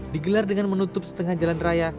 digelar dengan menutup setengah jalan raya